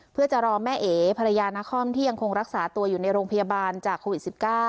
เพื่อจะรอแม่เอ๋ภรรยานาคอมที่ยังคงรักษาตัวอยู่ในโรงพยาบาลจากโควิด๑๙